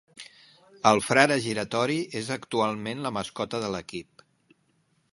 El "Frare giratori" és actualment la mascota de l'equip.